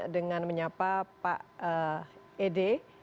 dengan menyapa pak ed